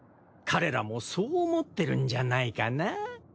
彼らもそう思ってるんじゃないかな？